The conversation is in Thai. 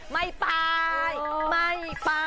ไม่ไป